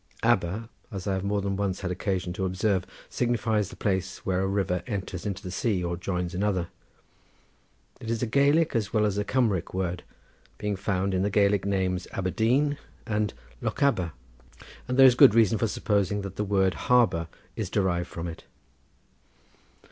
Aber, as I have more than once had occasion to observe, signifies the place where a river enters into the sea or joins another. It is a Gaelic as well as a Cumric word, being found in the Gaelic names Aberdeen and Lochaber, and there is good reason for supposing that the word harbour is derived from it.